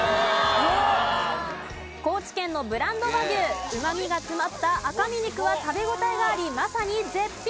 高知県のブランド和牛うまみが詰まった赤身肉は食べ応えがありまさに絶品。